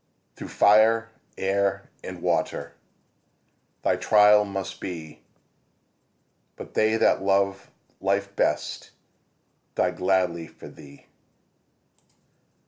Through fire, air and water Thy trial must be; But they that love life best Die gladly for thee.